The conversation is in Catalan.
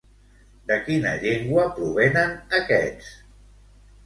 De quina llengua provenen aquests?